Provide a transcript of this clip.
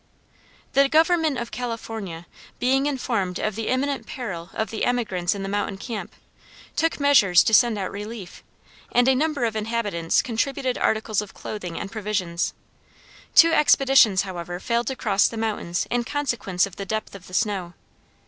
The government of California being informed of the imminent peril of the emigrants in the mountain camp, took measures to send out relief, and a number of inhabitants contributed articles of clothing and provisions. Two expeditions, however, failed to cross the mountains in consequence of the depth of the snow.